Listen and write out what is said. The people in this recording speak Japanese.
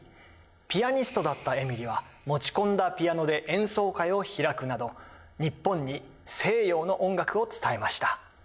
ピアニストだったエミリは持ち込んだピアノで演奏会を開くなど日本に西洋の音楽を伝えました。